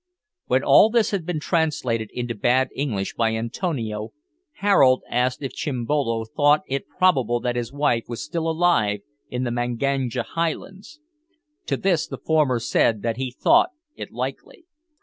When all this had been translated into bad English by Antonio, Harold asked if Chimbolo thought it probable that his wife was still alive in the Manganja highlands. To this the former said that he thought it likely.